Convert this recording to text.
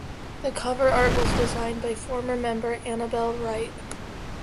The cover art was designed by former member Annabel Wright.